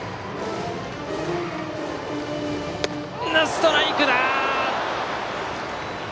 ストライクだ！